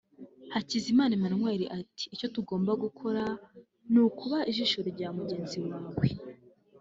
Hakizimana Emmanuel ati“icyo tugomba gukora ni ukuba ijisho rya mugenzi wawe